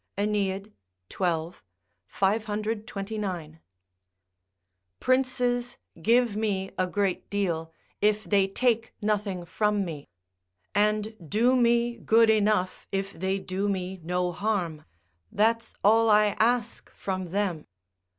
AEneid, xii. 529.] Princes give me a great deal if they take nothing from me; and do me good enough if they do me no harm; that's all I ask from them.